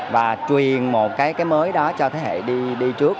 và truyền một cái mới đó cho thế hệ đi trước